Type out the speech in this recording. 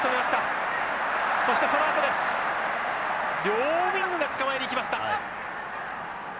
両ウイングが捕まえに行きました。